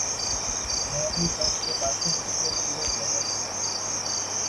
Mary টমকে বাসের নিচে ছুরে ফেলে দিলো।